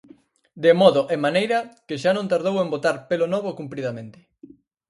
de modo e maneira que xa non tardou en botar pelo novo cumpridamente.